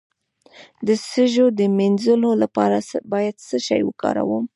د سږو د مینځلو لپاره باید څه شی وکاروم؟